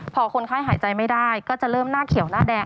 พอคนไข้หายใจไม่ได้ก็จะเริ่มหน้าเขียวหน้าแดง